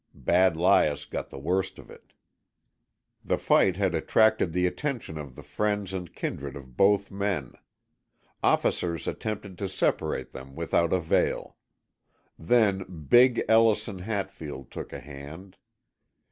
"Bad Lias" got the worst of it. The fight had attracted the attention of the friends and kindred of both men. Officers attempted to separate them without avail. Then "Big" Ellison Hatfield took a hand.